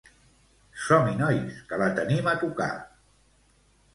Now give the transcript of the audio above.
Som-hi nois que la tenim a tocar